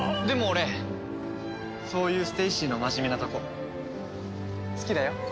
でも俺そういうステイシーの真面目なとこ好きだよ。